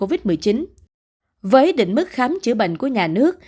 với định mức khám chữa bệnh của nhà nước